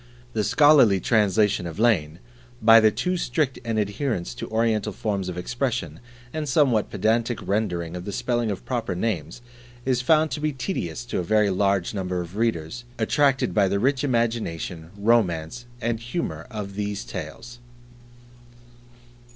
The scholarly translation of Lane, by the too strict an adherence to Oriental forms of expression, and somewhat pedantic rendering of the spelling of proper names, is found to be tedious to a very large number of readers attracted by the rich imagination, romance, and humour of these tales.